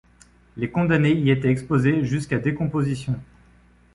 Les condamnés y étaient exposés jusqu'à décomposition.